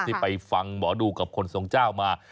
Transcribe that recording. ที่ไปฟังหมอดูกับคนทรงเจ้ามา